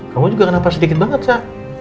kamu juga kenapa sedikit banget sah